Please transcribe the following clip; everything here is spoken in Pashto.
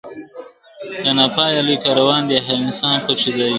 دا نا پایه لوی کاروان دی هر انسان پکښي ځاییږي !.